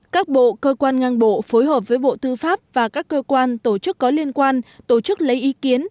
các bộ cơ quan ngang bộ phối hợp với bộ tư pháp và các cơ quan tổ chức có liên quan tổ chức lấy ý kiến